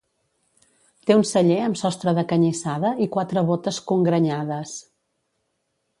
Té un celler amb sostre de canyissada i quatre bótes congrenyades.